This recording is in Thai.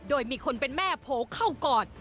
โดยมีคนเป็นแม่โผล่เข้ากอด